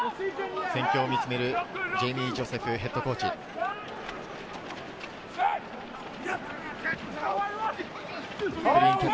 戦況を見つめるジェイミー・ジョセフヘッドコーチ。